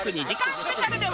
スペシャルでは。